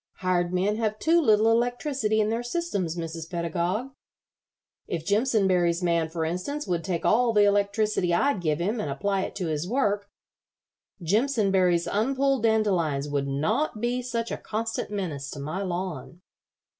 Hired men have too little electricity in their systems, Mrs. Pedagog. If Jimpsonberry's man, for instance, would take all the electricity I'd give him and apply it to his work, Jimpsonberry's unpulled dandelions would not be such a constant menace to my lawn.